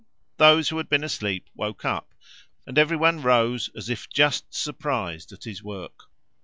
Those who had been asleep woke up, and every one rose as if just surprised at his work.